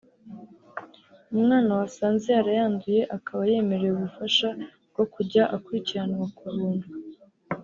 umwana wasanze yarayanduye akaba yemerewe ubufasha bwo kujya akurikiranwa ku buntu